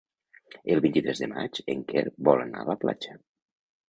El vint-i-tres de maig en Quer vol anar a la platja.